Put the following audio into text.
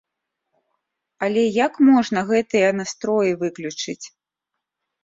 Але як можна гэтыя настроі выключыць?